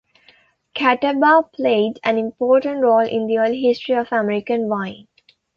Catawba played an important role in the early history of American wine.